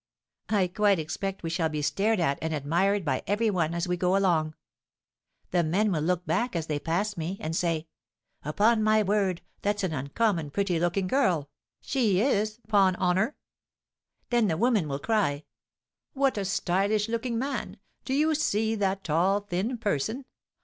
I quite expect we shall be stared at and admired by every one as we go along; the men will look back as they pass me, and say, 'Upon my word that's an uncommon pretty looking girl, she is, 'pon honour!' Then the women will cry, 'What a stylish looking man! Do you see that tall, thin person?